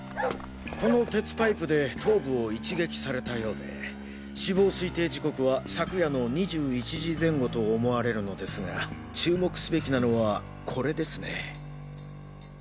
この鉄パイプで頭部を一撃されたようで死亡推定時刻は昨夜の２１時前後と思われるのですが注目すべきなのはコレですね。